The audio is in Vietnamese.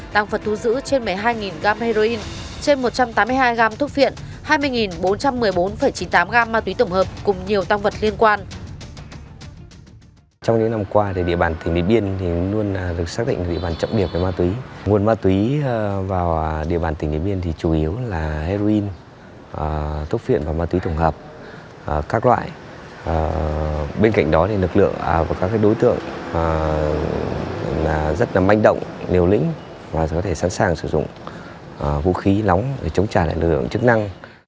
tăng vật thu giữ trên một mươi hai gram heroin trên một trăm tám mươi hai gram thuốc phiện hai mươi bốn trăm một mươi bốn chín mươi tám gram ma túy tổng hợp cùng nhiều tăng vật liên quan